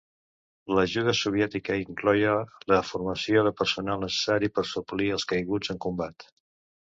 L'ajuda soviètica incloïa la formació del personal necessari per suplir als caiguts en combat.